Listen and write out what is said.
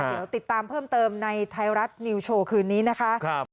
เดี๋ยวติดตามเพิ่มเติมในไทยรัฐนิวโชว์คืนนี้นะคะ